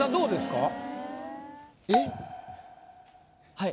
はい。